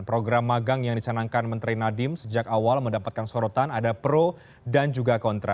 program magang yang dicanangkan menteri nadiem sejak awal mendapatkan sorotan ada pro dan juga kontra